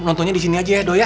nontonnya di sini aja ya doy